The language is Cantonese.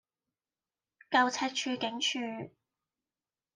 舊赤柱警署